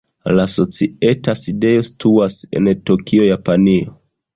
La societa sidejo situas en Tokio, Japanio.